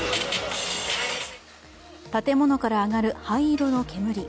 建物から上がる灰色の煙。